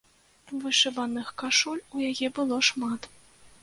Вышываных кашуль у яе было шмат.